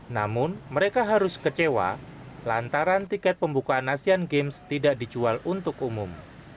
namun mereka harus kecewa lantaran tiket pembukaan asian games tidak dijual untuk umum